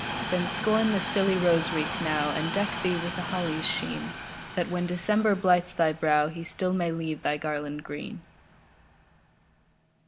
Then, scorn the silly rose wreath now, And deck thee with the holly's sheen, That, when December blights thy brow, He still may leave thy garland green.